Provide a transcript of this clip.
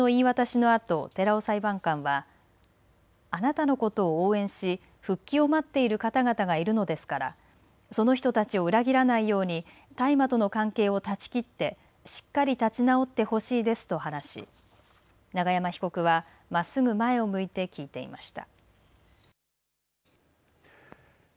判決の言い渡しのあと寺尾裁判官はあなたのことを応援し復帰を待っている方々がいるのですからその人たちを裏切らないように大麻との関係を断ち切ってしっかり立ち直ってほしいですと話し永山被告は、まっすぐ前を向いて聞いていました。